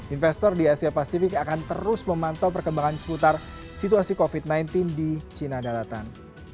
investor di asia pasifik akan terus memantau perkembangan seputar situasi covid sembilan belas di cina daratan